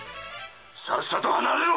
さっさと離れろ！！